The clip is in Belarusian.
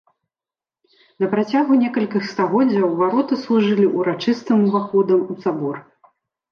На працягу некалькіх стагоддзяў вароты служылі ўрачыстым уваходам у сабор.